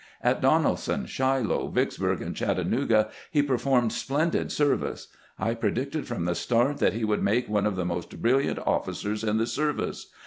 At Donelson, Shiloh, Vicks burg, and Chattanooga he performed splendid service. I predicted from the start that he would make one of the most brilliant officers in the service.